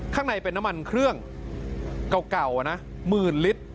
ข้างในเป็นน้ำมันเครื่องเก่านะหมื่นลิตร